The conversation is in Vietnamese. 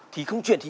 thì không chuyển thì